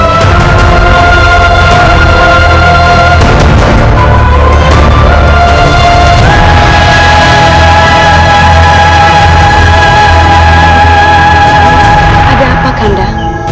ada apa kanda